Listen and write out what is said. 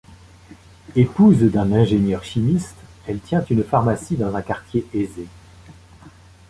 Épouse d'un ingénieur chimiste, elle tient une pharmacie dans un quartier aisé.